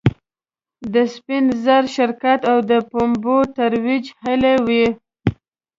د سپین زر شرکت او د پومبې ترویج هلې وې.